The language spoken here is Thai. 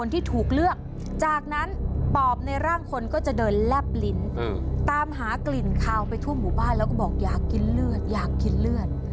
ตามหากลิ่นขาวไปทั่วหมู่บ้านแล้วก็บอกอยากกินเลือดอยากกินเลือด